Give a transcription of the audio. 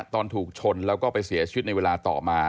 ตอนถูกชนแล้วก็ไปเสียชีวิตในเวลาต่อมา